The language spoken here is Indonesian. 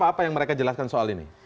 apa yang mereka jelaskan soal ini